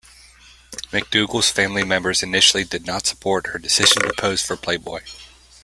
McDougal's family members initially did not support her decision to pose for "Playboy".